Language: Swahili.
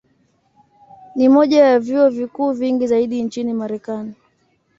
Ni moja ya vyuo vikuu vingi zaidi nchini Marekani.